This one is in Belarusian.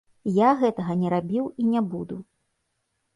Я гэтага не рабіў і не буду.